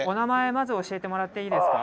まず教えてもらっていいですか？